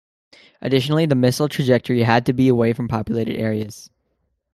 Additionally, the missile trajectory had to be away from populated areas.